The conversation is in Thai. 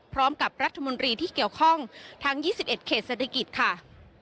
พร้อมกับรัฐมนตรีที่เกี่ยวข้องทั้ง๒๑เขตเศรษฐกิจค่ะ